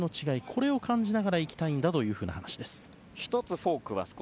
これを感じながらいきたいという話でした。